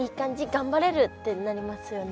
がんばれる！」ってなりますよね。